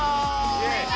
イエーイ！